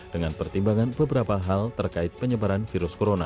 dengan pertimbangan beberapa hal terkait penyebaran virus corona